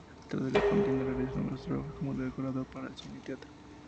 Tras la contienda, realiza numerosos trabajos como decorador para cine y teatro.